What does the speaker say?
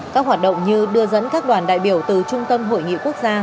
các hoạt động như đưa dẫn các đoàn đại biểu từ trung tâm hội nghị quốc gia